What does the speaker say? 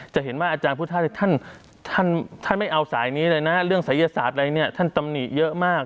จะเห็นว่าอาจารย์พุทธท่านไม่เอาสายนี้เลยนะเรื่องศัยศาสตร์อะไรเนี่ยท่านตำหนิเยอะมาก